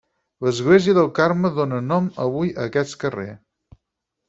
L'església del Carme dóna nom avui a aquest carrer.